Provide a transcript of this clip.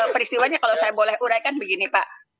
peristiwanya kalau saya boleh uraikan begini pak